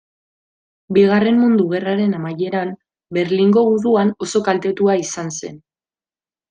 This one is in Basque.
Bigarren Mundu Gerraren amaieran, Berlingo guduan oso kaltetua izan zen.